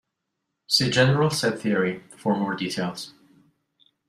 See general set theory for more details.